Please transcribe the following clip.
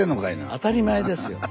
当たり前ですよ。